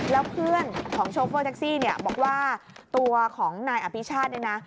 แล้วเพื่อนของโชเฟอร์แท็กซี่เนี่ยบอกว่าตัวของนายอภิชาติเนี่ยนะ